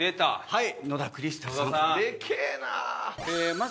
はい。